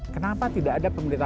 kenapa tidak ada pemerintah